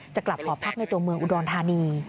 จะกลับหอพักในตัวเมืองอุดรธานี